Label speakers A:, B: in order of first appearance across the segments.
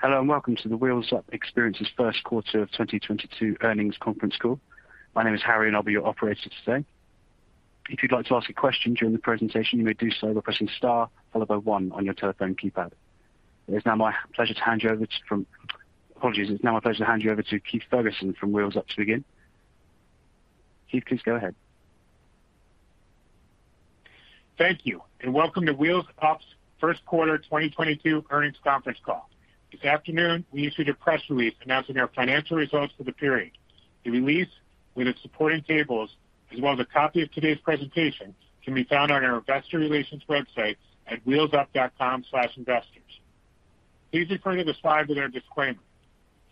A: Hello, and welcome to the Wheels Up Experience's first quarter of 2022 earnings conference call. My name is Harry, and I'll be your operator today. If you'd like to ask a question during the presentation, you may do so by pressing star followed by one on your telephone keypad. It's now my pleasure to hand you over to Keith Ferguson from Wheels Up to begin. Keith, please go ahead.
B: Thank you, and welcome to Wheels Up's first quarter 2022 earnings conference call. This afternoon we issued a press release announcing our financial results for the period. The release with its supporting tables, as well as a copy of today's presentation, can be found on our investor relations website at wheelsup.com/investors. Please refer to the slide with our disclaimer.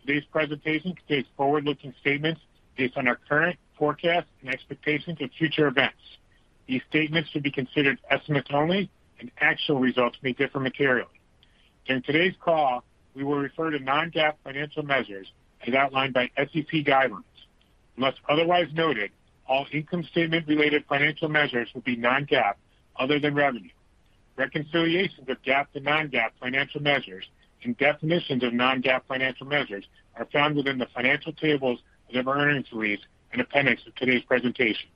B: Today's presentation contains forward-looking statements based on our current forecasts and expectations of future events. These statements should be considered estimates only, and actual results may differ materially. During today's call, we will refer to non-GAAP financial measures as outlined by SEC guidelines. Unless otherwise noted, all income statement related financial measures will be non-GAAP other than revenue. Reconciliations of GAAP to non-GAAP financial measures and definitions of non-GAAP financial measures are found within the financial tables of our earnings release and appendix of today's presentation.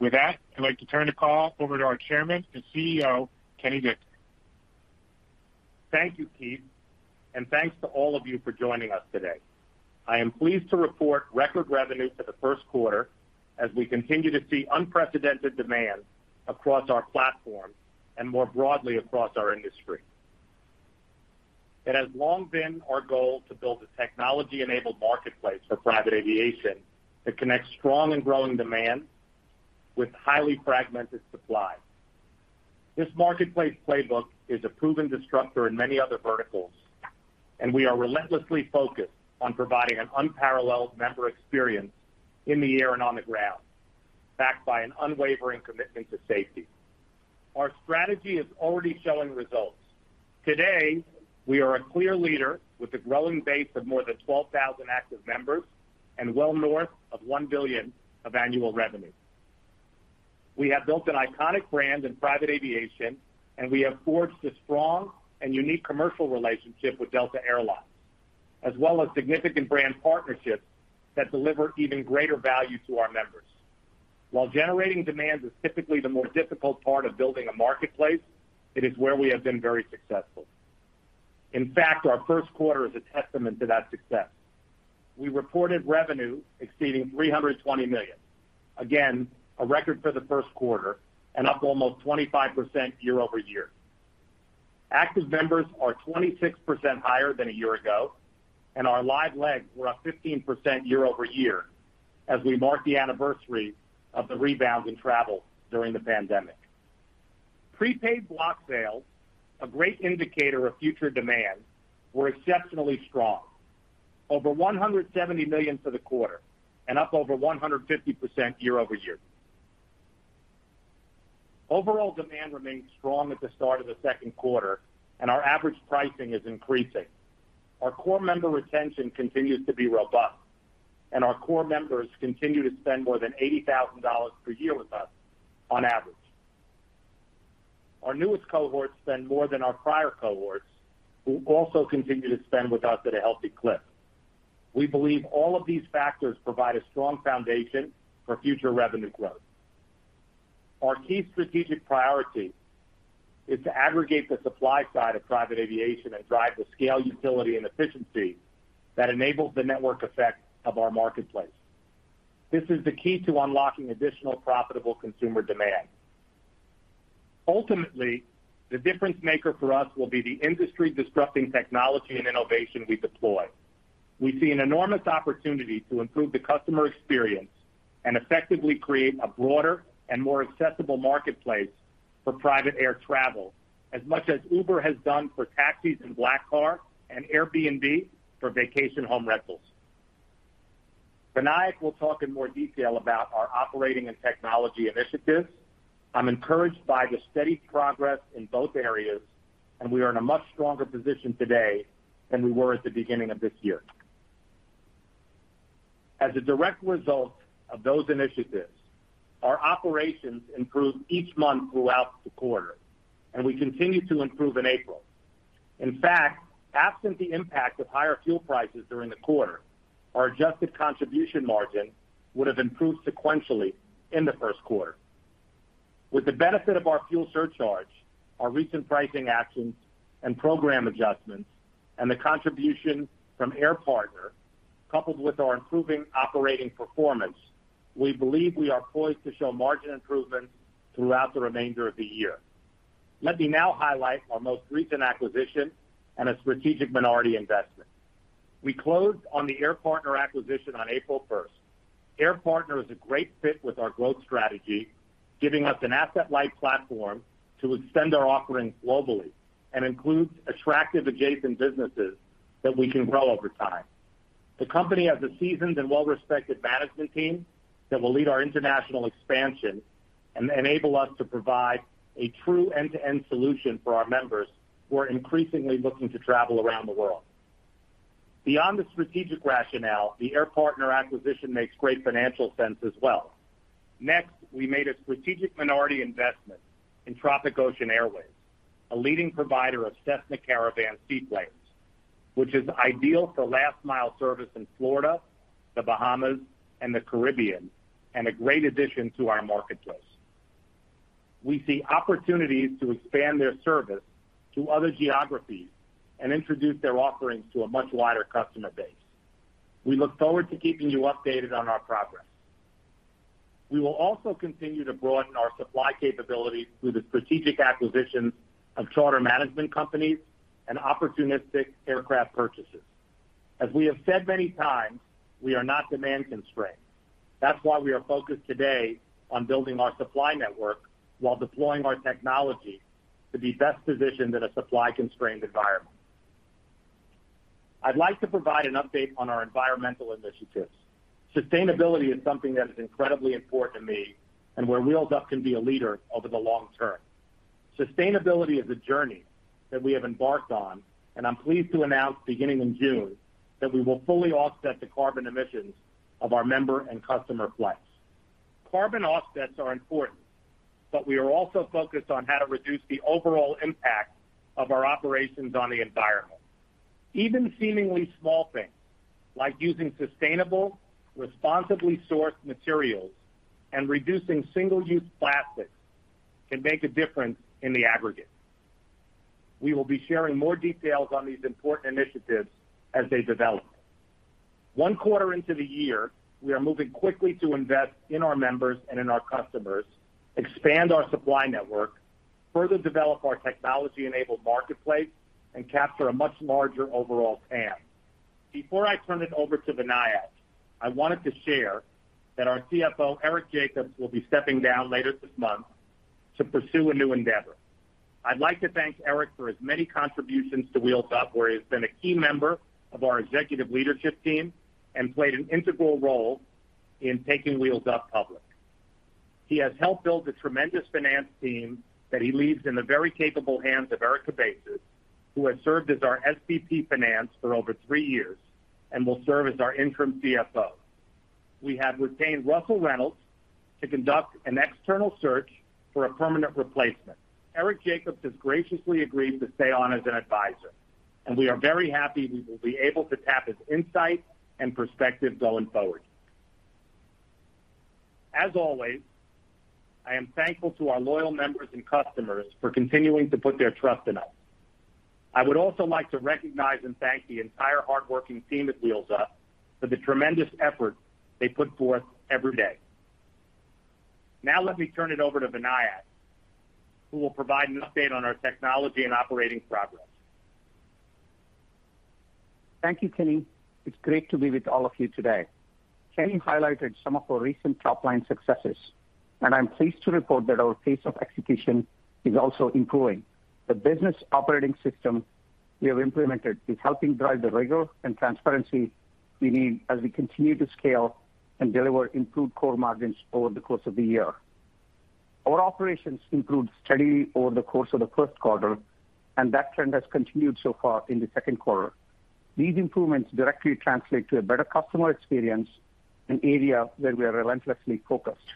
B: With that, I'd like to turn the call over to our Chairman and CEO, Kenny Dichter.
C: Thank you, Keith, and thanks to all of you for joining us today. I am pleased to report record revenue for the first quarter as we continue to see unprecedented demand across our platform and more broadly across our industry. It has long been our goal to build a technology-enabled marketplace for private aviation that connects strong and growing demand with highly fragmented supply. This marketplace playbook is a proven disruptor in many other verticals, and we are relentlessly focused on providing an unparalleled member experience in the air and on the ground, backed by an unwavering commitment to safety. Our strategy is already showing results. Today, we are a clear leader with a growing base of more than 12,000 active members and well north of $1 billion of annual revenue. We have built an iconic brand in private aviation, and we have forged a strong and unique commercial relationship with Delta Air Lines, as well as significant brand partnerships that deliver even greater value to our members. While generating demand is typically the most difficult part of building a marketplace, it is where we have been very successful. In fact, our first quarter is a testament to that success. We reported revenue exceeding $320 million. Again, a record for the first quarter and up almost 25% year-over-year. Active members are 26% higher than a year ago, and our live legs were up 15% year-over-year as we mark the anniversary of the rebound in travel during the pandemic. Prepaid block sales, a great indicator of future demand, were exceptionally strong. $170 million for the quarter and up over 150% year-over-year. Overall demand remains strong at the start of the second quarter, and our average pricing is increasing. Our core member retention continues to be robust, and our core members continue to spend more than $80,000 per year with us on average. Our newest cohorts spend more than our prior cohorts, who also continue to spend with us at a healthy clip. We believe all of these factors provide a strong foundation for future revenue growth. Our key strategic priority is to aggregate the supply side of private aviation and drive the scale, utility, and efficiency that enables the network effect of our marketplace. This is the key to unlocking additional profitable consumer demand. Ultimately, the difference maker for us will be the industry disrupting technology and innovation we deploy. We see an enormous opportunity to improve the customer experience and effectively create a broader and more accessible marketplace for private air travel, as much as Uber has done for taxis and black car, and Airbnb for vacation home rentals. Vinayak will talk in more detail about our operating and technology initiatives. I'm encouraged by the steady progress in both areas, and we are in a much stronger position today than we were at the beginning of this year. As a direct result of those initiatives, our operations improved each month throughout the quarter, and we continued to improve in April. In fact, absent the impact of higher fuel prices during the quarter, our Adjusted Contribution Margin would have improved sequentially in the first quarter. With the benefit of our fuel surcharge, our recent pricing actions and program adjustments, and the contribution from Air Partner, coupled with our improving operating performance, we believe we are poised to show margin improvement throughout the remainder of the year. Let me now highlight our most recent acquisition and a strategic minority investment. We closed on the Air Partner acquisition on April 1st. Air Partner is a great fit with our growth strategy, giving us an asset-light platform to extend our offerings globally and includes attractive adjacent businesses that we can grow over time. The company has a seasoned and well-respected management team that will lead our international expansion and enable us to provide a true end-to-end solution for our members who are increasingly looking to travel around the world. Beyond the strategic rationale, the Air Partner acquisition makes great financial sense as well. Next, we made a strategic minority investment in Tropic Ocean Airways, a leading provider of Cessna Caravan seaplanes, which is ideal for last mile service in Florida, the Bahamas, and the Caribbean, and a great addition to our marketplace. We see opportunities to expand their service to other geographies and introduce their offerings to a much wider customer base. We look forward to keeping you updated on our progress. We will also continue to broaden our supply capabilities through the strategic acquisitions of charter management companies and opportunistic aircraft purchases. As we have said many times, we are not demand constrained. That's why we are focused today on building our supply network while deploying our technology to be best positioned in a supply-constrained environment. I'd like to provide an update on our environmental initiatives. Sustainability is something that is incredibly important to me, and where Wheels Up can be a leader over the long term. Sustainability is a journey that we have embarked on, and I'm pleased to announce beginning in June that we will fully offset the carbon emissions of our member and customer flights. Carbon offsets are important, but we are also focused on how to reduce the overall impact of our operations on the environment. Even seemingly small things like using sustainable, responsibly sourced materials and reducing single-use plastics can make a difference in the aggregate. We will be sharing more details on these important initiatives as they develop. One quarter into the year, we are moving quickly to invest in our members and in our customers, expand our supply network, further develop our technology-enabled marketplace and capture a much larger overall TAM. Before I turn it over to Vinayak, I wanted to share that our CFO, Eric Jacobs, will be stepping down later this month to pursue a new endeavor. I'd like to thank Eric for his many contributions to Wheels Up, where he has been a key member of our executive leadership team and played an integral role in taking Wheels Up public. He has helped build the tremendous finance team that he leaves in the very capable hands of Eric Cabezas, who has served as our SVP, Finance for over three years and will serve as our interim CFO. We have retained Russell Reynolds to conduct an external search for a permanent replacement. Eric Jacobs has graciously agreed to stay on as an advisor, and we are very happy we will be able to tap his insight and perspective going forward. As always, I am thankful to our loyal members and customers for continuing to put their trust in us. I would also like to recognize and thank the entire hardworking team at Wheels Up for the tremendous effort they put forth every day. Now let me turn it over to Vinayak, who will provide an update on our technology and operating progress.
D: Thank you, Kenny. It's great to be with all of you today. Kenny highlighted some of our recent top-line successes, and I'm pleased to report that our pace of execution is also improving. The business operating system we have implemented is helping drive the rigor and transparency we need as we continue to scale and deliver improved core margins over the course of the year. Our operations improved steadily over the course of the first quarter, and that trend has continued so far in the second quarter. These improvements directly translate to a better customer experience, an area where we are relentlessly focused.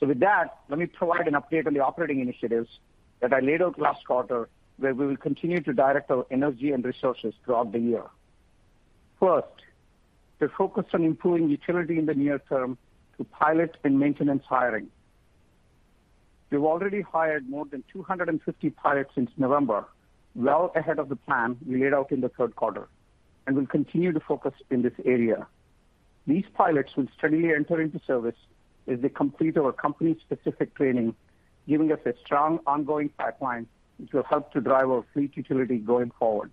D: With that, let me provide an update on the operating initiatives that I laid out last quarter, where we will continue to direct our energy and resources throughout the year. First, we're focused on improving utility in the near term through pilot and maintenance hiring. We've already hired more than 250 pilots since November, well ahead of the plan we laid out in the third quarter, and we'll continue to focus in this area. These pilots will steadily enter into service as they complete our company-specific training, giving us a strong ongoing pipeline, which will help to drive our fleet utility going forward.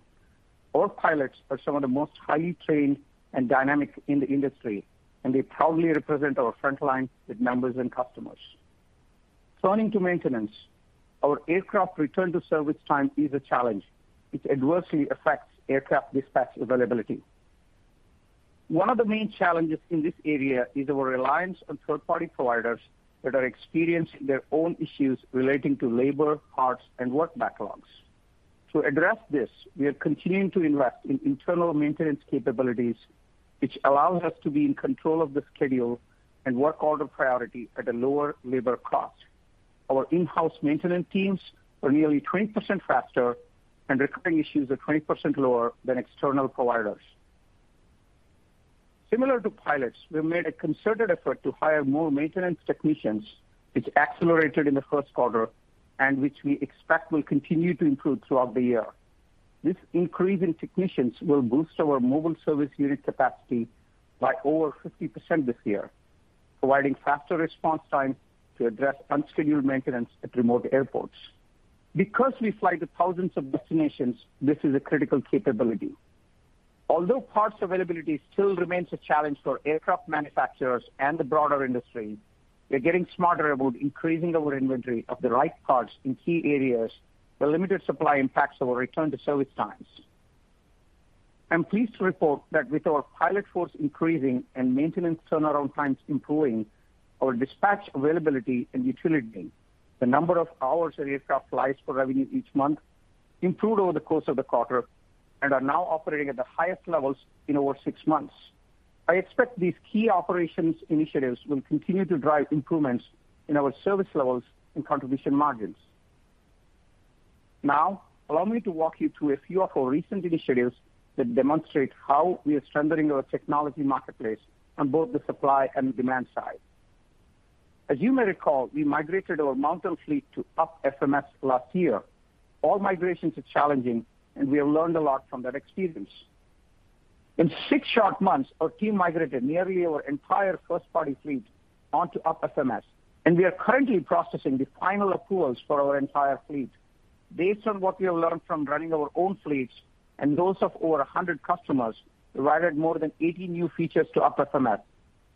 D: Our pilots are some of the most highly trained and dynamic in the industry, and they proudly represent our frontline with members and customers. Turning to maintenance, our aircraft return-to-service time is a challenge which adversely affects aircraft dispatch availability. One of the main challenges in this area is our reliance on third-party providers that are experiencing their own issues relating to labor, parts, and work backlogs. To address this, we are continuing to invest in internal maintenance capabilities, which allows us to be in control of the schedule and work order priority at a lower labor cost. Our in-house maintenance teams are nearly 20% faster and recurring issues are 20% lower than external providers. Similar to pilots, we've made a concerted effort to hire more maintenance technicians, which accelerated in the first quarter and which we expect will continue to improve throughout the year. This increase in technicians will boost our mobile service unit capacity by over 50% this year, providing faster response times to address unscheduled maintenance at remote airports. Because we fly to thousands of destinations, this is a critical capability. Although parts availability still remains a challenge for aircraft manufacturers and the broader industry, we are getting smarter about increasing our inventory of the right parts in key areas where limited supply impacts our return-to-service times. I'm pleased to report that with our pilot force increasing and maintenance turnaround times improving. Our dispatch availability and utility, the number of hours an aircraft flies for revenue each month, improved over the course of the quarter and are now operating at the highest levels in over six months. I expect these key operations initiatives will continue to drive improvements in our service levels and contribution margins. Now allow me to walk you through a few of our recent initiatives that demonstrate how we are strengthening our technology marketplace on both the supply and demand side. As you may recall, we migrated our Mountain fleet to UP FMS last year. All migrations are challenging, and we have learned a lot from that experience. In six short months, our team migrated nearly our entire 1P fleet onto UP FMS, and we are currently processing the final approvals for our entire fleet. Based on what we have learned from running our own fleets and those of over 100 customers, we've added more than 80 new features to UP FMS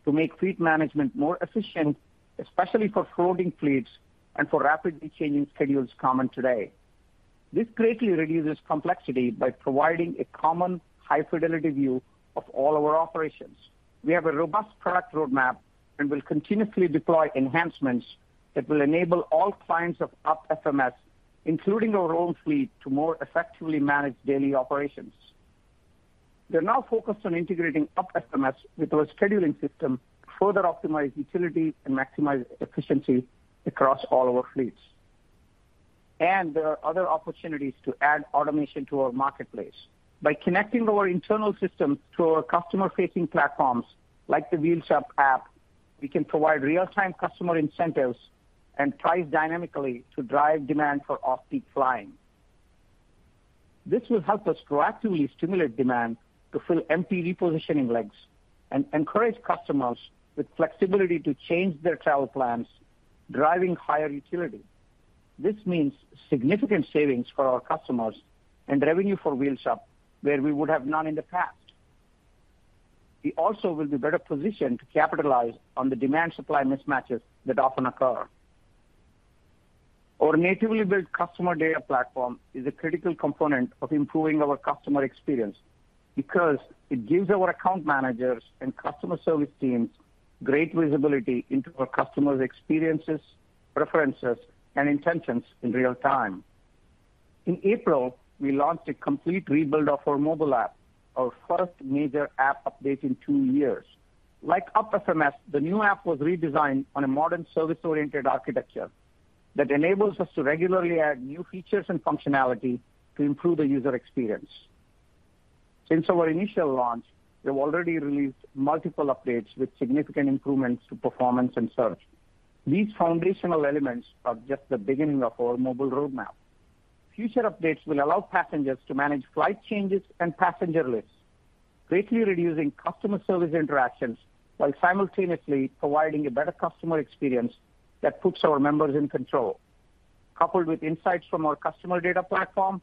D: to make fleet management more efficient, especially for floating fleets and for rapidly changing schedules common today. This greatly reduces complexity by providing a common high fidelity view of all our operations. We have a robust product roadmap and will continuously deploy enhancements that will enable all clients of UP FMS, including our own fleet, to more effectively manage daily operations. We are now focused on integrating UP FMS with our scheduling system to further optimize utility and maximize efficiency across all our fleets. There are other opportunities to add automation to our marketplace. By connecting our internal systems to our customer facing platforms like the Wheels Up app, we can provide real-time customer incentives and price dynamically to drive demand for off-peak flying. This will help us proactively stimulate demand to fill empty repositioning legs and encourage customers with flexibility to change their travel plans, driving higher utility. This means significant savings for our customers and revenue for Wheels Up where we would have none in the past. We also will be better positioned to capitalize on the demand supply mismatches that often occur. Our natively built customer data platform is a critical component of improving our customer experience because it gives our account managers and customer service teams great visibility into our customers' experiences, preferences, and intentions in real time. In April, we launched a complete rebuild of our mobile app, our first major app update in two years. Like UP FMS, the new app was redesigned on a modern service-oriented architecture that enables us to regularly add new features and functionality to improve the user experience. Since our initial launch, we have already released multiple updates with significant improvements to performance and search. These foundational elements are just the beginning of our mobile roadmap. Future updates will allow passengers to manage flight changes and passenger lists, greatly reducing customer service interactions while simultaneously providing a better customer experience that puts our members in control. Coupled with insights from our customer data platform,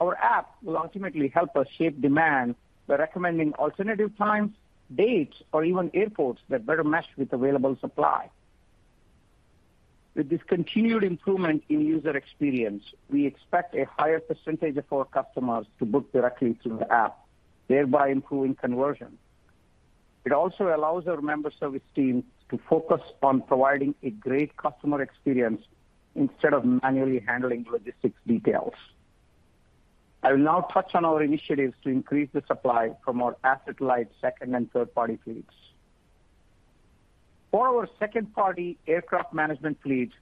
D: our app will ultimately help us shape demand by recommending alternative times, dates or even airports that better match with available supply. With this continued improvement in user experience, we expect a higher percentage of our customers to book directly through the app, thereby improving conversion. It also allows our member service teams to focus on providing a great customer experience instead of manually handling logistics details. I will now touch on our initiatives to increase the supply from our asset-light second and third-party fleets. For our second party aircraft management fleet,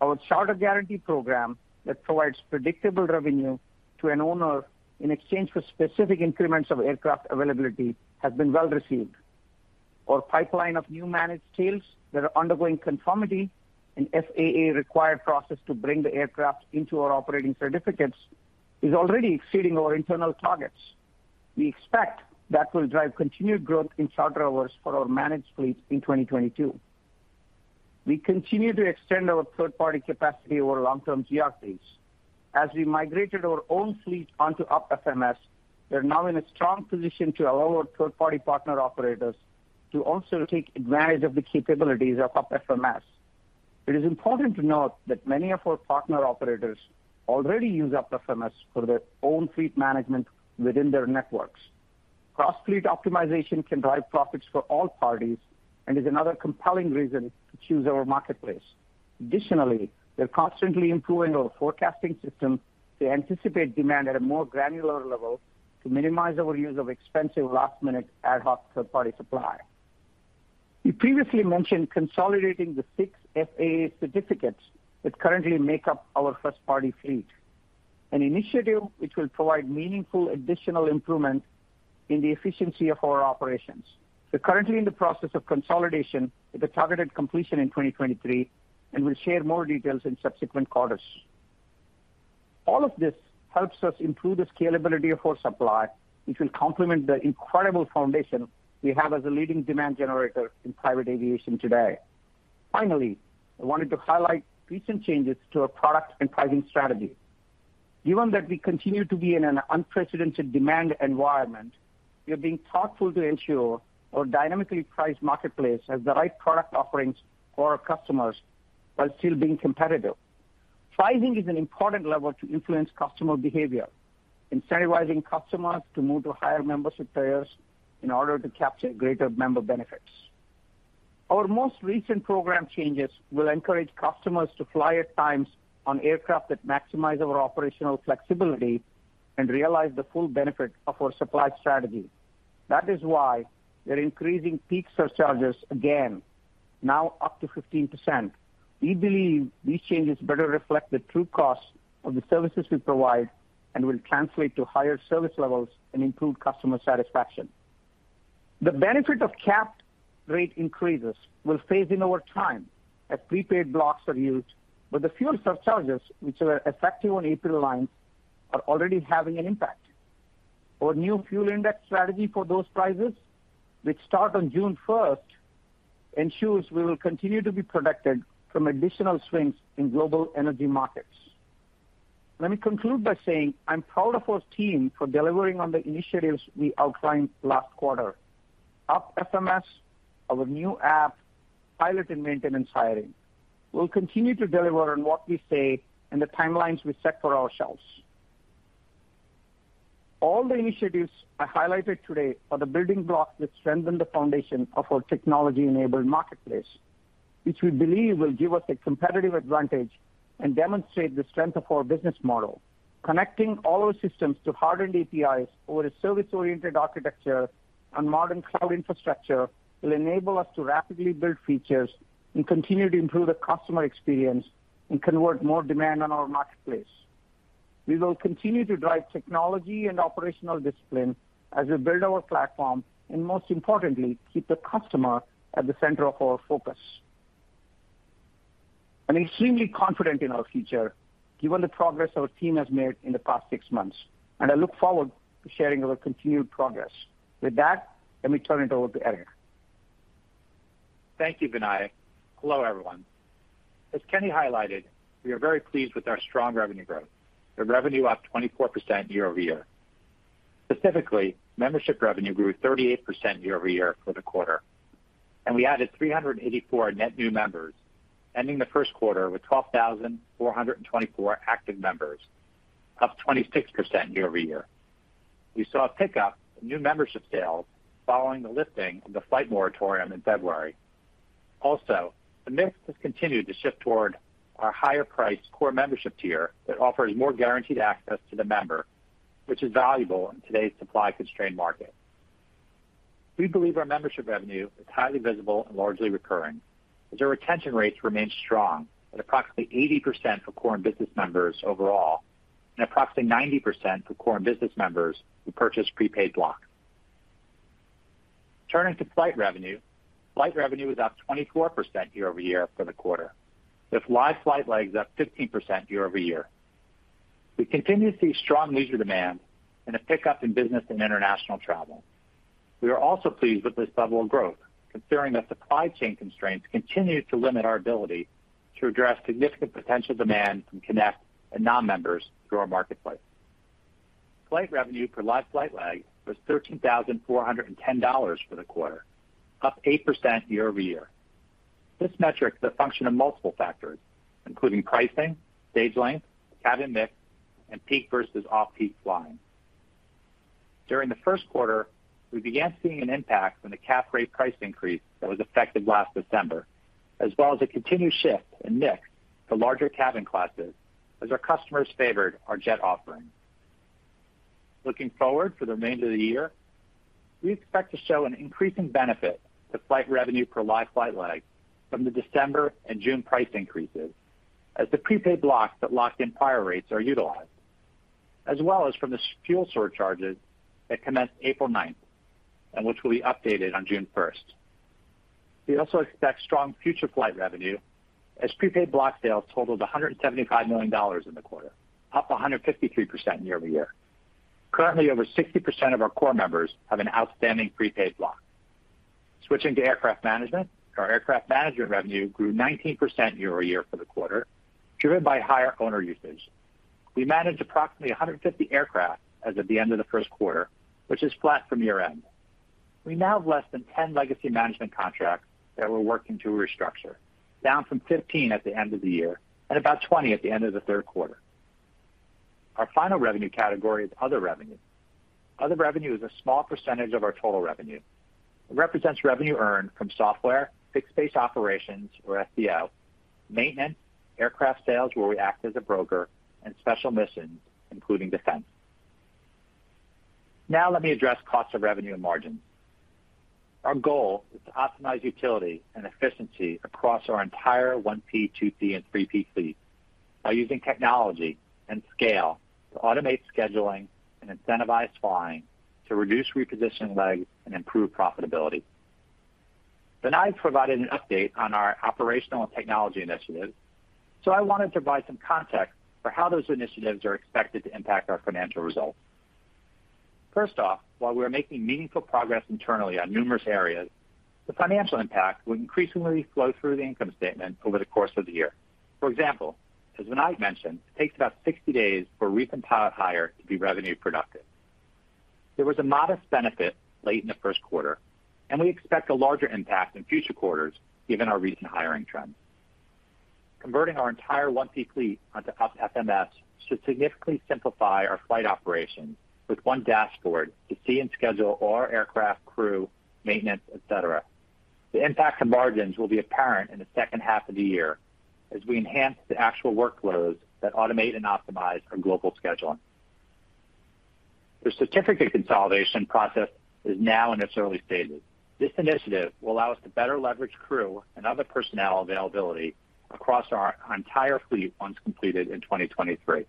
D: our charter guarantee program that provides predictable revenue to an owner in exchange for specific increments of aircraft availability has been well received. Our pipeline of new managed tails that are undergoing conformity and FAA required process to bring the aircraft into our operating certificates is already exceeding our internal targets. We expect that will drive continued growth in charter hours for our managed fleets in 2022. We continue to extend our third-party capacity over long term GRAs. As we migrated our own fleet onto UP FMS, we are now in a strong position to allow our third-party partner operators to also take advantage of the capabilities of UP FMS. It is important to note that many of our partner operators already use UP FMS for their own fleet management within their networks. Cross fleet optimization can drive profits for all parties and is another compelling reason to choose our marketplace. Additionally, we are constantly improving our forecasting system to anticipate demand at a more granular level to minimize our use of expensive last minute ad hoc third party supply. We previously mentioned consolidating the six FAA certificates that currently make up our first party fleet, an initiative which will provide meaningful additional improvement in the efficiency of our operations. We are currently in the process of consolidation with a targeted completion in 2023, and we'll share more details in subsequent quarters. All of this helps us improve the scalability of our supply, which will complement the incredible foundation we have as a leading demand generator in private aviation today. Finally, I wanted to highlight recent changes to our product and pricing strategy. Given that we continue to be in an unprecedented demand environment, we are being thoughtful to ensure our dynamically priced marketplace has the right product offerings for our customers while still being competitive. Pricing is an important lever to influence customer behavior, incentivizing customers to move to higher membership tiers in order to capture greater member benefits. Our most recent program changes will encourage customers to fly at times on aircraft that maximize our operational flexibility and realize the full benefit of our supply strategy. That is why we are increasing peak surcharges again, now up to 15%. We believe these changes better reflect the true cost of the services we provide and will translate to higher service levels and improve customer satisfaction. The benefit of capped rate increases will phase in over time as prepaid blocks are used, but the fuel surcharges which are effective on April 9th are already having an impact. Our new fuel index strategy for those prices, which start on June 1st, ensures we will continue to be protected from additional swings in global energy markets. Let me conclude by saying I'm proud of our team for delivering on the initiatives we outlined last quarter. UP FMS, our new app, pilot and maintenance hiring. We'll continue to deliver on what we say and the timelines we set for ourselves. All the initiatives I highlighted today are the building blocks that strengthen the foundation of our technology-enabled marketplace, which we believe will give us a competitive advantage and demonstrate the strength of our business model. Connecting all our systems to hardened APIs over a service-oriented architecture and modern cloud infrastructure will enable us to rapidly build features and continue to improve the customer experience and convert more demand on our marketplace. We will continue to drive technology and operational discipline as we build our platform, and most importantly, keep the customer at the center of our focus. I'm extremely confident in our future given the progress our team has made in the past six months, and I look forward to sharing our continued progress. With that, let me turn it over to Eric.
E: Thank you, Vinay. Hello, everyone. As Kenny highlighted, we are very pleased with our strong revenue growth. The revenue up 24% year-over-year. Specifically, membership revenue grew 38% year-over-year for the quarter, and we added 384 net new members, ending the first quarter with 12,424 active members, up 26% year-over-year. We saw a pickup in new membership sales following the lifting of the flight moratorium in February. Also, the mix has continued to shift toward our higher priced core membership tier that offers more guaranteed access to the member, which is valuable in today's supply-constrained market. We believe our membership revenue is highly visible and largely recurring, as our retention rates remain strong at approximately 80% for core and business members overall, and approximately 90% for core and business members who purchase prepaid blocks. Turning to flight revenue. Flight revenue was up 24% year-over-year for the quarter, with live flight legs up 15% year-over-year. We continue to see strong leisure demand and a pickup in business and international travel. We are also pleased with this level of growth, considering that supply chain constraints continue to limit our ability to address significant potential demand from Connect and non-members through our marketplace. Flight revenue per live flight leg was $13,410 for the quarter, up 8% year-over-year. This metric is a function of multiple factors, including pricing, stage length, cabin mix, and peak versus off-peak flying. During the first quarter, we began seeing an impact from the cap rate price increase that was effective last December, as well as a continued shift in mix to larger cabin classes as our customers favored our jet offerings. Looking forward for the remainder of the year, we expect to show an increasing benefit to flight revenue per live flight leg from the December and June price increases as the prepaid blocks that locked in prior rates are utilized, as well as from the fuel surcharges that commenced April 9th and which will be updated on June 1st. We also expect strong future flight revenue as prepaid block sales totaled $175 million in the quarter, up 153% year-over-year. Currently, over 60% of our core members have an outstanding prepaid block. Switching to aircraft management. Our aircraft management revenue grew 19% year-over-year for the quarter, driven by higher owner usage. We managed approximately 150 aircraft as of the end of the first quarter, which is flat from year-end. We now have less than 10 legacy management contracts that we're working to restructure, down from 15 at the end of the year and about 20 at the end of the third quarter. Our final revenue category is other revenue. Other revenue is a small percentage of our total revenue. It represents revenue earned from software, fixed-base operations or FBO, maintenance, aircraft sales where we act as a broker, and special missions, including defense. Now let me address cost of revenue and margins. Our goal is to optimize utility and efficiency across our entire 1P, 2P, and 3P fleet by using technology and scale to automate scheduling and incentivize flying to reduce repositioning legs and improve profitability. Vinay provided an update on our operational and technology initiatives, so I wanted to provide some context for how those initiatives are expected to impact our financial results. First off, while we are making meaningful progress internally on numerous areas, the financial impact will increasingly flow through the income statement over the course of the year. For example, as Vinay mentioned, it takes about 60 days for a recent pilot hire to be revenue productive. There was a modest benefit late in the first quarter, and we expect a larger impact in future quarters given our recent hiring trends. Converting our entire 1P fleet onto UP FMS should significantly simplify our flight operations with one dashboard to see and schedule all our aircraft crew, maintenance, et cetera. The impact to margins will be apparent in the second half of the year as we enhance the actual workloads that automate and optimize our global scheduling. The certificate consolidation process is now in its early stages. This initiative will allow us to better leverage crew and other personnel availability across our entire fleet once completed in 2023.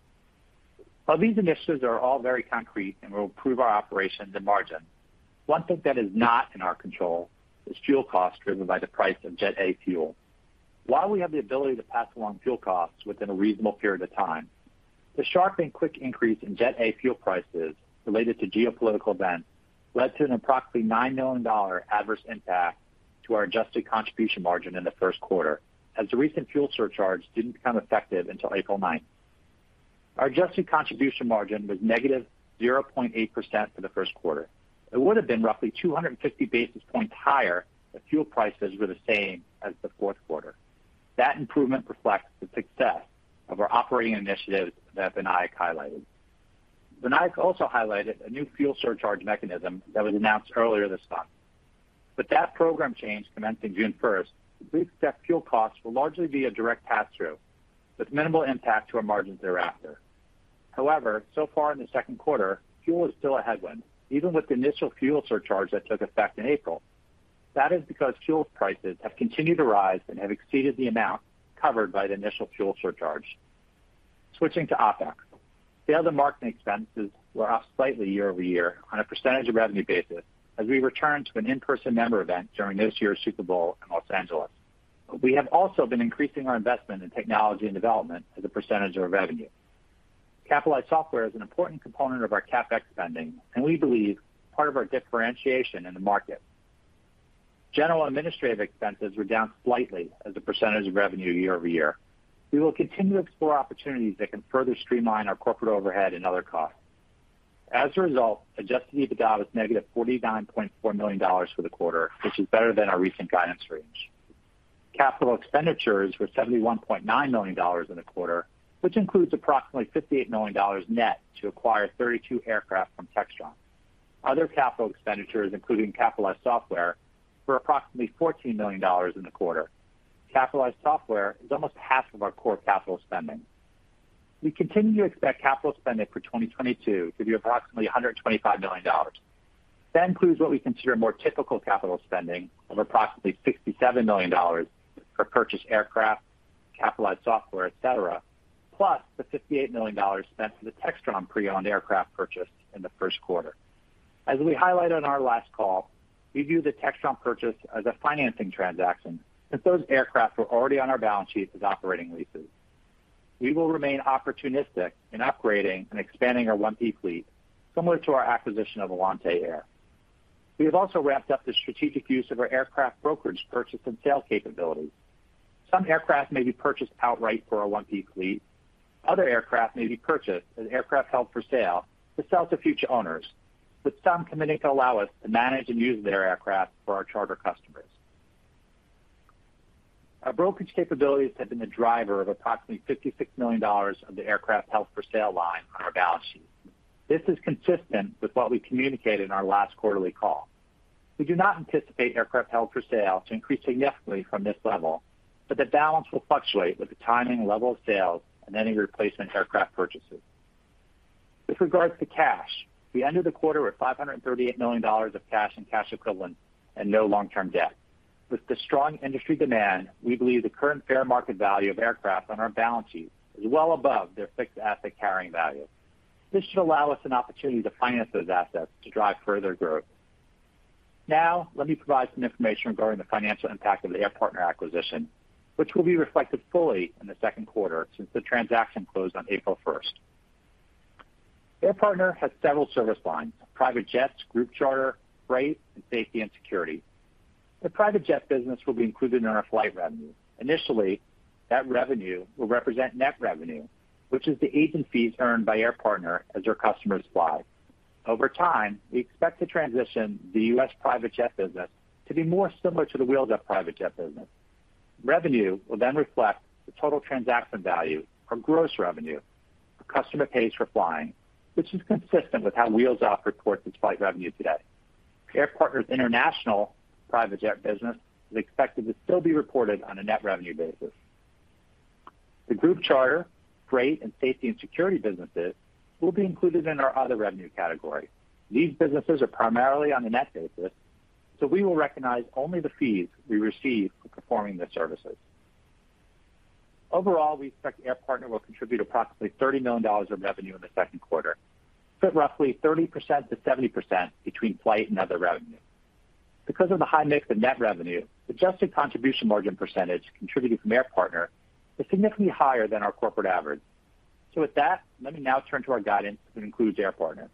E: While these initiatives are all very concrete and will improve our operations and margin, one thing that is not in our control is fuel costs driven by the price of Jet A fuel. While we have the ability to pass along fuel costs within a reasonable period of time, the sharp and quick increase in Jet A fuel prices related to geopolitical events led to an approximately $9 million adverse impact to our Adjusted Contribution Margin in the first quarter, as the recent fuel surcharge didn't become effective until April 9th. Our Adjusted Contribution Margin was negative 0.8% for the first quarter. It would have been roughly 250 basis points higher if fuel prices were the same as the fourth quarter. That improvement reflects the success of our operating initiatives that Vinayak highlighted. Vinayak also highlighted a new fuel surcharge mechanism that was announced earlier this month. With that program change commencing June 1st, we expect fuel costs will largely be a direct passthrough with minimal impact to our margins thereafter. However, so far in the second quarter, fuel is still a headwind, even with the initial fuel surcharge that took effect in April. That is because fuel prices have continued to rise and have exceeded the amount covered by the initial fuel surcharge. Switching to OpEx. Sales and marketing expenses were up slightly year-over-year on a percentage of revenue basis as we return to an in-person member event during this year's Super Bowl in Los Angeles. We have also been increasing our investment in technology and development as a percentage of revenue. Capitalized software is an important component of our CapEx spending, and we believe part of our differentiation in the market. General and administrative expenses were down slightly as a percentage of revenue year-over-year. We will continue to explore opportunities that can further streamline our corporate overhead and other costs. As a result, Adjusted EBITDA was negative $49.4 million for the quarter, which is better than our recent guidance range. Capital expenditures were $71.9 million in the quarter, which includes approximately $58 million net to acquire 32 aircraft from Textron. Other capital expenditures, including capitalized software, were approximately $14 million in the quarter. Capitalized software is almost half of our core capital spending. We continue to expect capital spending for 2022 to be approximately $125 million. That includes what we consider more typical capital spending of approximately $67 million for purchased aircraft, capitalized software, et cetera, plus the $58 million spent for the Textron pre-owned aircraft purchase in the first quarter. As we highlighted on our last call, we view the Textron purchase as a financing transaction since those aircraft were already on our balance sheet as operating leases. We will remain opportunistic in upgrading and expanding our 1P fleet, similar to our acquisition of Alante Air. We have also ramped up the strategic use of our aircraft brokerage purchase and sale capabilities. Some aircraft may be purchased outright for our 1P fleet. Other aircraft may be purchased as aircraft held for sale to sell to future owners, with some committing to allow us to manage and use their aircraft for our charter customers. Our brokerage capabilities have been the driver of approximately $56 million of the aircraft held for sale line on our balance sheet. This is consistent with what we communicated in our last quarterly call. We do not anticipate aircraft held for sale to increase significantly from this level, but the balance will fluctuate with the timing and level of sales and any replacement aircraft purchases. With regards to cash, we ended the quarter with $538 million of cash and cash equivalents and no long-term debt. With the strong industry demand, we believe the current fair market value of aircraft on our balance sheet is well above their fixed asset carrying value. This should allow us an opportunity to finance those assets to drive further growth. Now, let me provide some information regarding the financial impact of the Air Partner acquisition, which will be reflected fully in the second quarter since the transaction closed on April 1st. Air Partner has several service lines, private jets, group charter, freight, and safety and security. The private jet business will be included in our flight revenue. Initially, that revenue will represent net revenue, which is the agent fees earned by Air Partner as their customers fly. Over time, we expect to transition the U.S. private jet business to be more similar to the Wheels Up private jet business. Revenue will then reflect the total transaction value or gross revenue a customer pays for flying, which is consistent with how Wheels Up reports its flight revenue today. Air Partner's international private jet business is expected to still be reported on a net revenue basis. The group charter, freight, and safety and security businesses will be included in our other revenue category. These businesses are primarily on a net basis, so we will recognize only the fees we receive for performing the services. Overall, we expect Air Partner will contribute approximately $30 million of revenue in the second quarter, split roughly 30%-70% between flight and other revenue. Because of the high mix of net revenue, Adjusted Contribution Margin percentage contributed from Air Partner is significantly higher than our corporate average. With that, let me now turn to our guidance that includes Air Partner.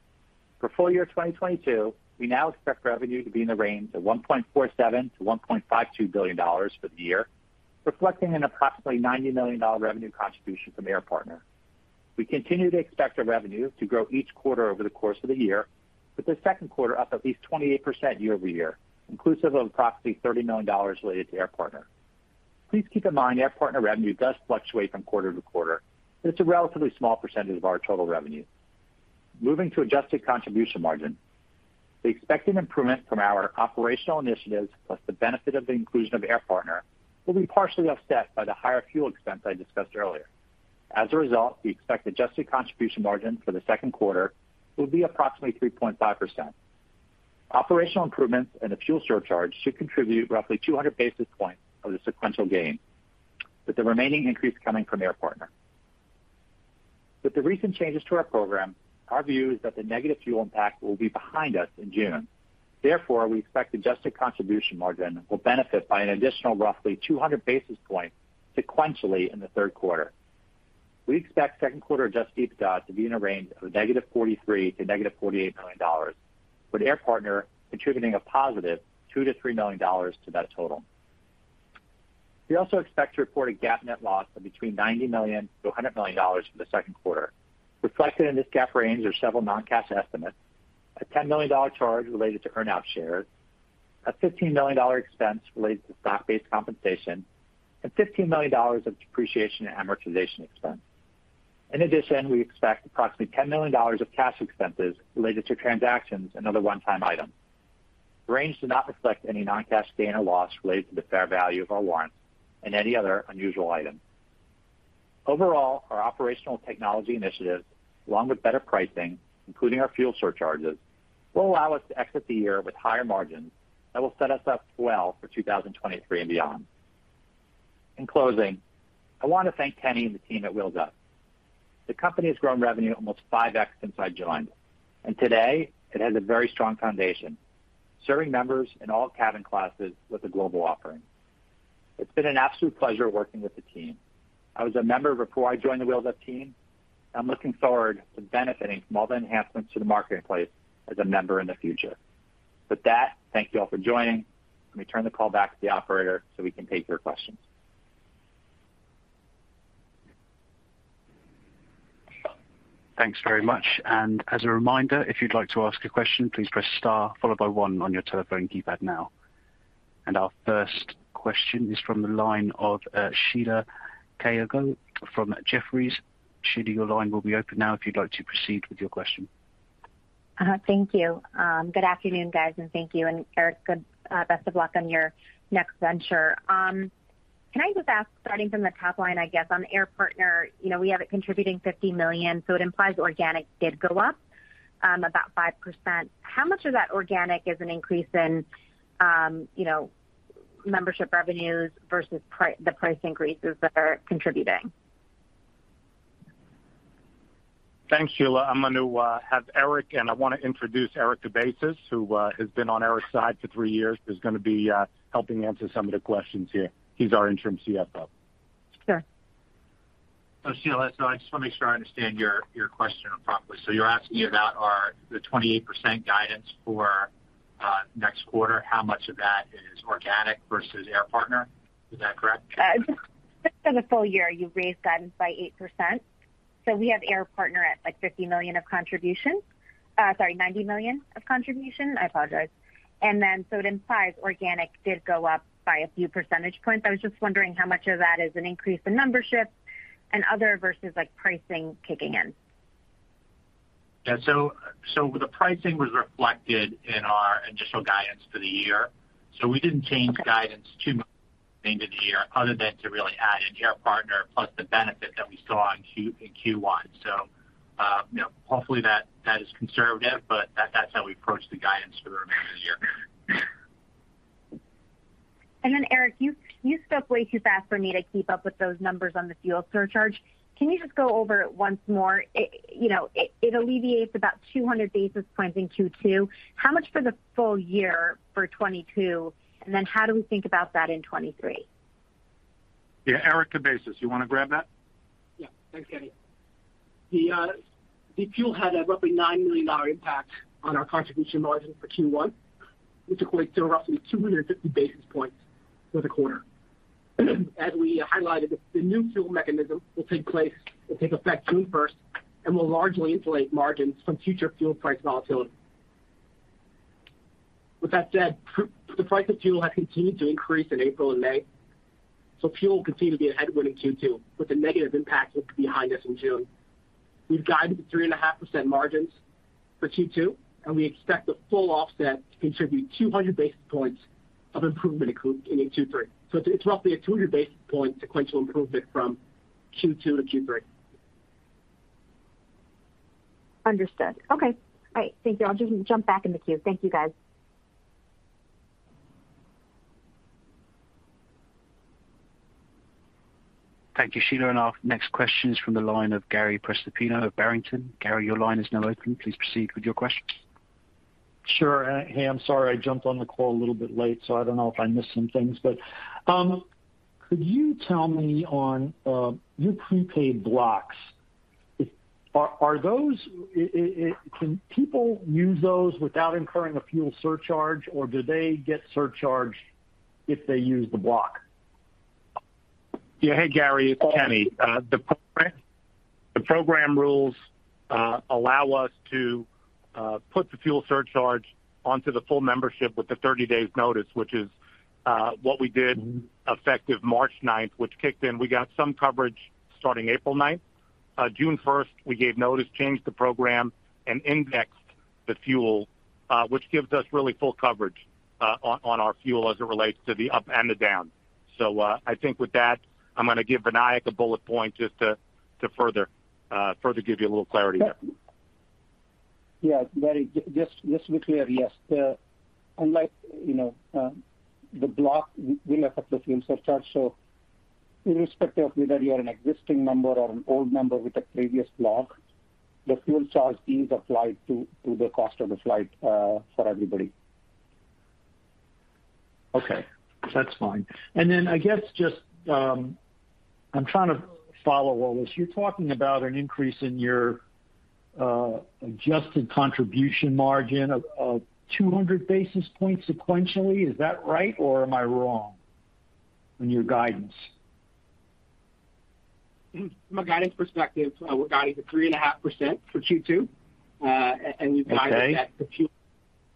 E: For full year 2022, we now expect revenue to be in the range of $1.47 billion-$1.52 billion for the year. Reflecting an approximately $90 million revenue contribution from Air Partner. We continue to expect our revenue to grow each quarter over the course of the year, with the second quarter up at least 28% year-over-year, inclusive of approximately $30 million related to Air Partner. Please keep in mind Air Partner revenue does fluctuate from quarter to quarter, and it's a relatively small percentage of our total revenue. Moving to Adjusted Contribution Margin. The expected improvement from our operational initiatives, plus the benefit of the inclusion of Air Partner, will be partially offset by the higher fuel expense I discussed earlier. As a result, we expect Adjusted Contribution Margin for the second quarter will be approximately 3.5%. Operational improvements and the fuel surcharge should contribute roughly 200 basis points of the sequential gain, with the remaining increase coming from Air Partner. With the recent changes to our program, our view is that the negative fuel impact will be behind us in June. Therefore, we expect Adjusted Contribution Margin will benefit by an additional roughly 200 basis points sequentially in the third quarter. We expect second quarter adjusted EBITDA to be in a range of -$43 million to -$48 million, with Air Partner contributing $2 million-$3 million to that total. We also expect to report a GAAP net loss of between $90 million-$100 million for the second quarter. Reflected in this GAAP range are several non-cash estimates, a $10 million charge related to earn-out shares, a $15 million expense related to stock-based compensation, and $15 million of depreciation and amortization expense. In addition, we expect approximately $10 million of cash expenses related to transactions and other one-time items. The range does not reflect any non-cash gain or loss related to the fair value of our warrants and any other unusual item. Overall, our operational technology initiatives, along with better pricing, including our fuel surcharges, will allow us to exit the year with higher margins that will set us up well for 2023 and beyond. In closing, I want to thank Kenny and the team at Wheels Up. The company has grown revenue almost 5x since I joined, and today it has a very strong foundation, serving members in all cabin classes with a global offering. It's been an absolute pleasure working with the team. I was a member before I joined the Wheels Up team, and I'm looking forward to benefiting from all the enhancements to the marketplace as a member in the future. With that, thank you all for joining. Let me turn the call back to the operator, so we can take your questions.
A: Thanks very much. As a reminder, if you'd like to ask a question, please press star followed by one on your telephone keypad now. Our first question is from the line of Sheila Kahyaoglu from Jefferies. Sheila, your line will be open now if you'd like to proceed with your question.
F: Thank you. Good afternoon, guys, and thank you. Eric, best of luck on your next venture. Can I just ask, starting from the top line, I guess, on Air Partner, you know, we have it contributing $50 million, so it implies organic did go up about 5%. How much of that organic is an increase in, you know, membership revenues versus the price increases that are contributing?
E: Thanks, Sheila. I'm going to have Eric, and I wanna introduce Eric Cabezas, who has been on Eric's side for three years, is gonna be helping answer some of the questions here. He's our Interim CFO.
F: Sure.
G: Sheila, I just wanna make sure I understand your question properly. You're asking about the 28% guidance for next quarter, how much of that is organic versus Air Partner? Is that correct?
F: Just for the full year, you've raised guidance by 8%. We have Air Partner at, like, $50 million of contributions. Sorry, $90 million of contributions. I apologize. It implies organic did go up by a few percentage points. I was just wondering how much of that is an increase in membership and other versus, like, pricing kicking in.
G: Yeah. The pricing was reflected in our initial guidance for the year. We didn't change the guidance too much end of the year, other than to really add in Air Partner plus the benefit that we saw in Q1. You know, hopefully that is conservative, but that's how we approach the guidance for the remainder of the year.
F: Eric, you spoke way too fast for me to keep up with those numbers on the fuel surcharge. Can you just go over it once more? It, you know, alleviates about 200 basis points in Q2. How much for the full year for 2022? How do we think about that in 2023?
C: Yeah. Eric Cabezas, you wanna grab that?
G: Yeah. Thanks, Kenny. The fuel had a roughly $9 million impact on our contribution margins for Q1, which equates to roughly 250 basis points for the quarter. As we highlighted, the new fuel mechanism will take effect June 1st and will largely insulate margins from future fuel price volatility. With that said, the price of fuel has continued to increase in April and May, so fuel will continue to be a headwind in Q2, with the negative impact behind us in June. We've guided 3.5% margins for Q2, and we expect the full offset to contribute 200 basis points of improvement in Q3. It's roughly a 200 basis point sequential improvement from Q2 to Q3.
F: Understood. Okay. All right. Thank you. I'll just jump back in the queue. Thank you, guys.
A: Thank you, Sheila. Our next question is from the line of Gary Prestopino of Barrington. Gary, your line is now open. Please proceed with your question.
H: Sure. Hey, I'm sorry I jumped on the call a little bit late, so I don't know if I missed some things. Could you tell me on your prepaid blocks. Can people use those without incurring a fuel surcharge, or do they get surcharged if they use the block?
C: Yeah. Hey, Gary, it's Kenny. The program rules allow us to put the fuel surcharge onto the full membership with 30 days notice, which is what we did effective March 9th, which kicked in. We got some coverage starting April 9th. June 1st, we gave notice, changed the program, and indexed the fuel, which gives us really full coverage on our fuel as it relates to the up and the down. I think with that, I'm gonna give Vinayak a bullet point just to further give you a little clarity there.
D: Yeah. Gary, just to be clear, yes. Unlike, you know, the block will have a fuel surcharge. Irrespective of whether you're an existing member or an old member with a previous block, the fuel charge is applied to the cost of the flight for everybody.
H: Okay, that's fine. I guess just, I'm trying to follow all this. You're talking about an increase in your Adjusted Contribution Margin of 200 basis points sequentially. Is that right, or am I wrong on your guidance?
G: From a guidance perspective, we're guiding to 3.5% for Q2. We've guided-
H: Okay.
G: That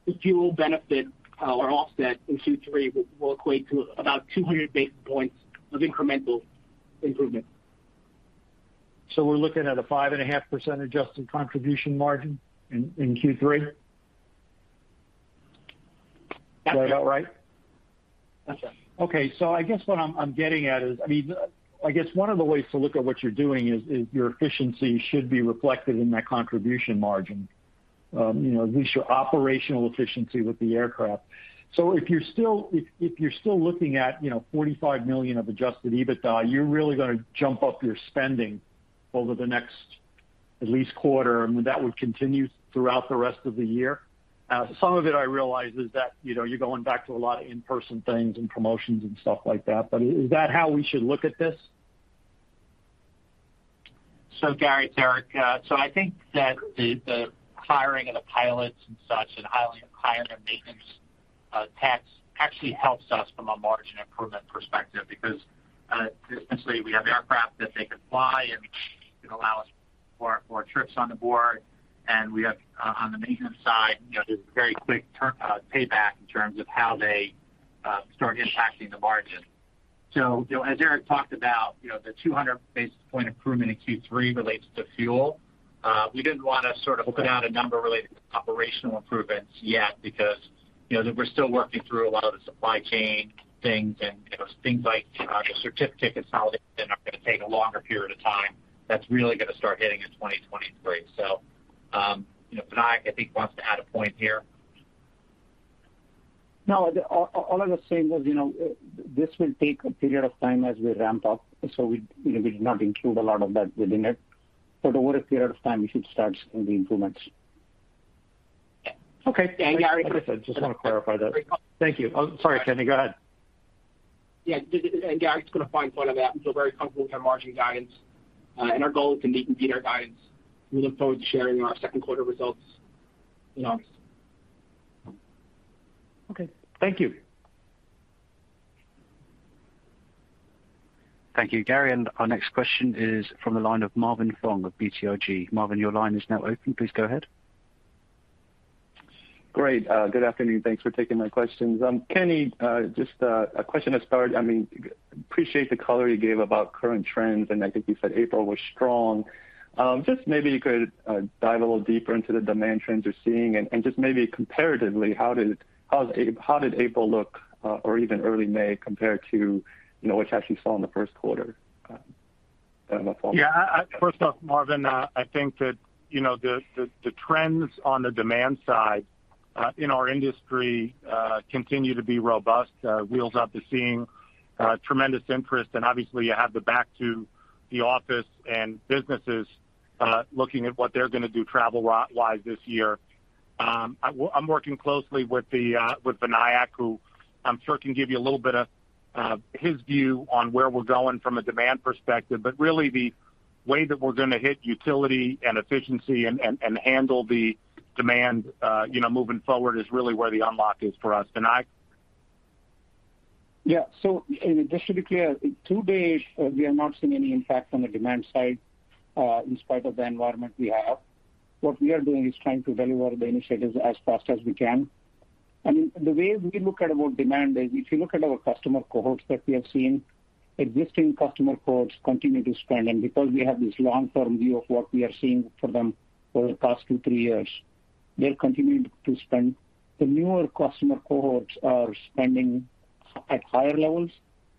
G: the fuel benefit or offset in Q3 will equate to about 200 basis points of incremental improvement.
H: We're looking at a 5.5% adjusted contribution margin in Q3?
G: That's it.
H: Is that about right?
G: That's right.
H: I guess what I'm getting at is, I mean, I guess one of the ways to look at what you're doing is your efficiency should be reflected in that contribution margin, you know, at least your operational efficiency with the aircraft. If you're still looking at, you know, $45 million of Adjusted EBITDA, you're really gonna jump up your spending over the next at least quarter, and that would continue throughout the rest of the year. Some of it I realize is that, you know, you're going back to a lot of in-person things and promotions and stuff like that, but is that how we should look at this?
G: Gary, it's Eric. I think that the hiring of the pilots and such, and hiring of maintenance techs actually helps us from a margin improvement perspective because essentially we have aircraft that they can fly and it allow us more trips on the board, and we have on the maintenance side, you know, there's a very quick turn payback in terms of how they start impacting the margin. You know, as Eric talked about, you know, the 200 basis point improvement in Q3 relates to fuel. We didn't wanna sort of put out a number related to operational improvements yet because, you know, we're still working through a lot of the supply chain things and, you know, things like the certificate consolidation are gonna take a longer period of time. That's really gonna start hitting in 2023. You know, Vinayak, I think, wants to add a point here.
D: No, all I was saying was, you know, this will take a period of time as we ramp up, so we, you know, we did not include a lot of that within it. Over a period of time, we should start seeing the improvements.
H: Okay.
G: Gary-
D: I just wanna clarify that.
H: Thank you. Oh, sorry, Kenny, go ahead.
G: Yeah. Gary, just gonna fine point on that, we feel very comfortable with our margin guidance, and our goal is to meet and beat our guidance. We look forward to sharing our second quarter results in August.
H: Okay. Thank you.
A: Thank you, Gary. Our next question is from the line of Marvin Fong of BTIG. Marvin, your line is now open. Please go ahead.
I: Great. Good afternoon. Thanks for taking my questions. Kenny, just a question to start. I mean, appreciate the color you gave about current trends, and I think you said April was strong. Just maybe you could dive a little deeper into the demand trends you're seeing, and just maybe comparatively, how did April look, or even early May compare to, you know, what you actually saw in the first quarter? That's all.
C: Yeah. First off, Marvin, I think that, you know, the trends on the demand side in our industry continue to be robust. Wheels Up is seeing tremendous interest, and obviously you have the back to the office and businesses looking at what they're gonna do travel-wise this year. I'm working closely with Vinayak, who I'm sure can give you a little bit of his view on where we're going from a demand perspective. Really the way that we're gonna hit utility and efficiency and handle the demand, you know, moving forward is really where the unlock is for us. Vinayak?
D: Just to be clear, to date, we are not seeing any impact on the demand side, in spite of the environment we have. What we are doing is trying to deliver the initiatives as fast as we can. The way we look at our demand is, if you look at our customer cohorts that we have seen, existing customer cohorts continue to spend. Because we have this long-term view of what we are seeing for them over the past two, three years, they're continuing to spend. The newer customer cohorts are spending at higher levels,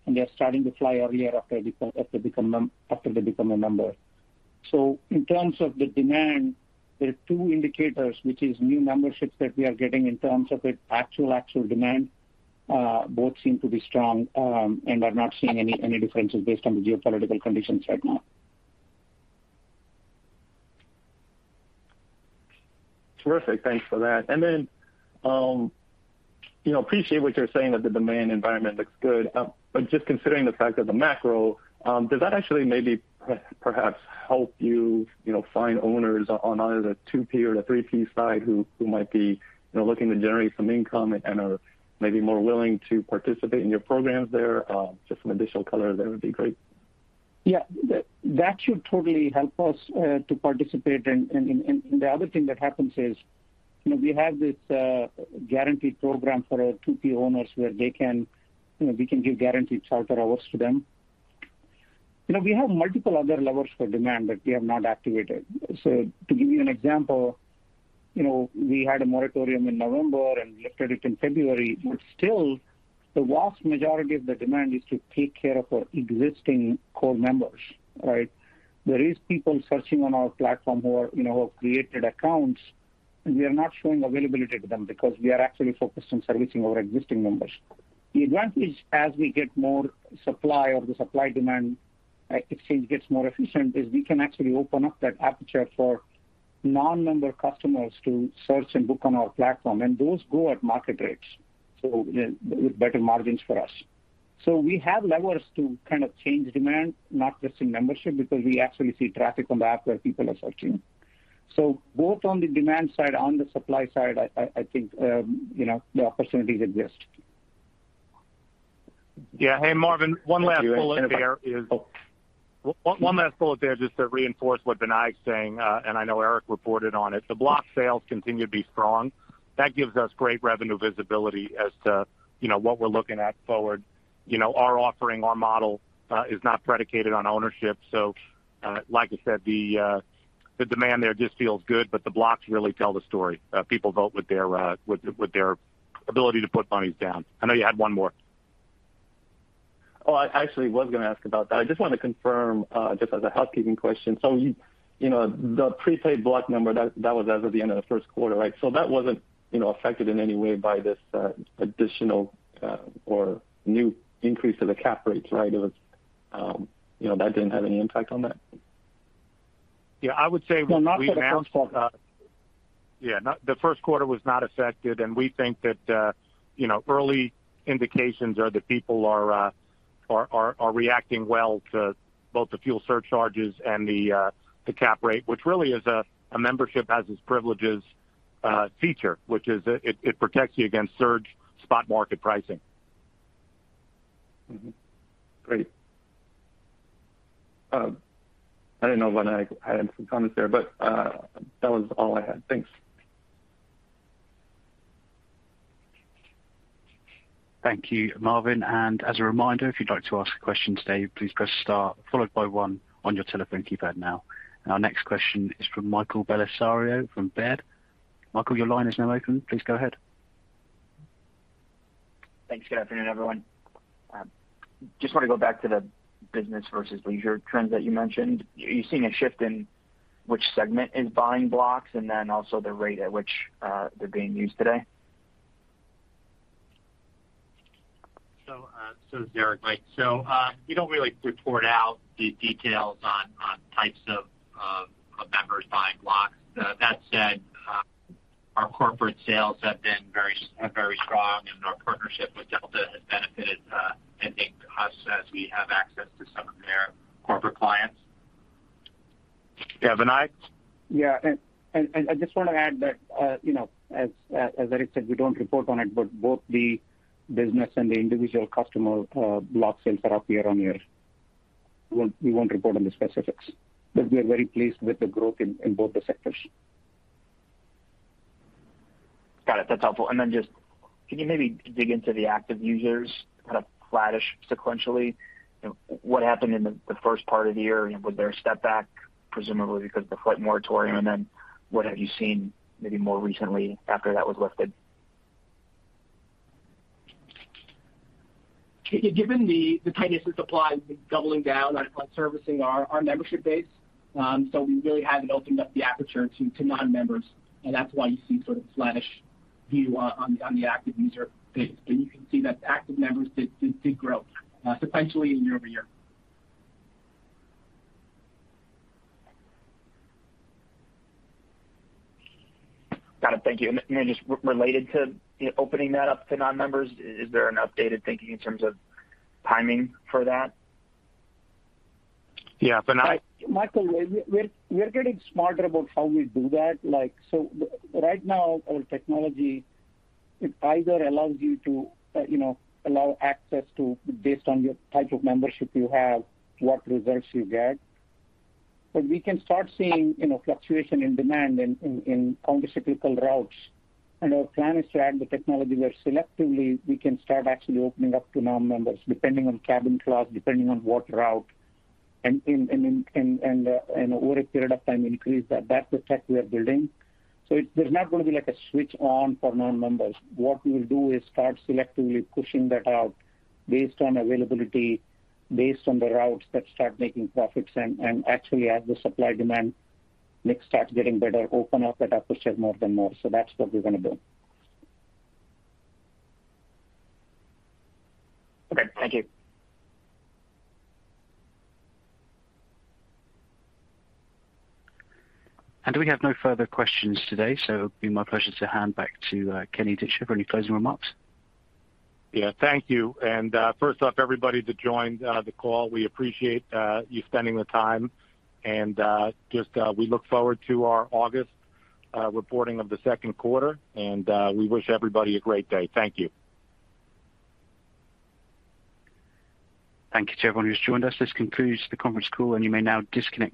D: and they're starting to fly earlier after they become a member. In terms of the demand, there are two indicators, which is new memberships that we are getting in terms of the actual demand, both seem to be strong, and are not seeing any differences based on the geopolitical conditions right now.
I: Terrific. Thanks for that. You know, appreciate what you're saying that the demand environment looks good. Just considering the fact of the macro, does that actually maybe perhaps help you know, find owners on either the 2P or the 3P side who might be, you know, looking to generate some income and are maybe more willing to participate in your programs there? Just some additional color there would be great.
D: That should totally help us to participate in. The other thing that happens is, you know, we have this guarantee program for our two-tier owners where they can, you know, we can give guaranteed charter hours to them. You know, we have multiple other levers for demand that we have not activated. To give you an example, you know, we had a moratorium in November and lifted it in February, but still the vast majority of the demand is to take care of our existing core members, right? There is people searching on our platform who are, you know, have created accounts, and we are not showing availability to them because we are actually focused on servicing our existing members. The advantage as we get more supply or the supply-demand exchange gets more efficient, is we can actually open up that aperture for non-member customers to search and book on our platform, and those go at market rates, so with better margins for us. We have levers to kind of change demand, not just in membership, because we actually see traffic on the app where people are searching. Both on the demand side, on the supply side, I think, you know, the opportunities exist.
C: Yeah. Hey, Marvin, one last bullet there is.
D: Oh.
C: One last bullet there just to reinforce what Vinayak is saying, and I know Eric reported on it. The block sales continue to be strong. That gives us great revenue visibility as to, you know, what we're looking at forward. You know, our offering, our model is not predicated on ownership. So, like I said, the demand there just feels good, but the blocks really tell the story. People vote with their ability to put monies down. I know you had one more.
I: Oh, I actually was gonna ask about that. I just wanna confirm just as a housekeeping question. You know, the prepaid block number that was as of the end of the first quarter, right? That wasn't, you know, affected in any way by this additional or new increase to the cap rates, right? It was, you know, that didn't have any impact on that?
C: Yeah, I would say.
I: No, not for the first quarter.
C: Yeah. The first quarter was not affected, and we think that, you know, early indications are that people are reacting well to both the fuel surcharges and the cap rate, which really is a membership has its privileges feature, which is it protects you against surge spot market pricing.
I: Mm-hmm. Great. I didn't know Vinayak had some comments there, but that was all I had. Thanks.
A: Thank you, Marvin. As a reminder, if you'd like to ask a question today, please press star followed by one on your telephone keypad now. Our next question is from Michael Bellisario from Baird. Michael, your line is now open. Please go ahead.
J: Thanks. Good afternoon, everyone. Just wanna go back to the business versus leisure trends that you mentioned. Are you seeing a shift in which segment is buying blocks and then also the rate at which, they're being used today?
C: Does Eric, right? We don't really report out the details on types of members buying blocks. That said, our corporate sales are very strong, and our partnership with Delta has benefited, I think, us as we have access to some of their corporate clients. Yeah, Vinayak?
D: Yeah. I just wanna add that, you know, as Eric said, we don't report on it, but both the business and the individual customer block sales are up year-over-year. We won't report on the specifics, but we are very pleased with the growth in both the sectors.
J: Got it. That's helpful. Just can you maybe dig into the active users kind of flattish sequentially? You know, what happened in the first part of the year? You know, was there a step back presumably because of the flight moratorium? What have you seen maybe more recently after that was lifted?
C: Given the tightness in supply, we've been doubling down on servicing our membership base. So we really haven't opened up the aperture to non-members, and that's why you see sort of flattish view on the active user base. You can see that active members did grow sequentially and year-over-year.
J: Got it. Thank you. Just related to opening that up to non-members, is there an updated thinking in terms of timing for that?
C: Yeah. Vinayak?
D: Michael, we're getting smarter about how we do that. Like, right now, our technology, it either allows you to, you know, allow access to based on your type of membership you have, what results you get. We can start seeing, you know, fluctuation in demand in countercyclical routes. Our plan is to add the technology where selectively we can start actually opening up to non-members depending on cabin class, depending on what route, and over a period of time increase that. That's the tech we are building. There's not gonna be like a switch on for non-members. What we will do is start selectively pushing that out based on availability, based on the routes that start making profits and actually as the supply-demand mix starts getting better, open up that aperture more and more. That's what we're gonna do.
J: Okay. Thank you.
A: We have no further questions today, so it'll be my pleasure to hand back to Kenny Dichter for any closing remarks.
C: Yeah. Thank you. First off, everybody that joined the call, we appreciate you spending the time. Just, we look forward to our August reporting of the second quarter, and we wish everybody a great day. Thank you.
A: Thank you to everyone who's joined us. This concludes the conference call, and you may now disconnect your.